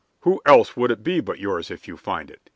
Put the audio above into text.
"Whose else would it be but yours if you find it?"